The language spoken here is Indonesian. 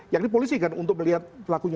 yakni polisi kan untuk melihat pelakunya